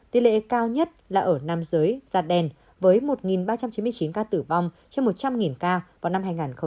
tỷ lệ cao nhất là ở nam giới da đen với một ba trăm chín mươi chín ca tử vong trong một trăm linh ca vào năm hai nghìn hai mươi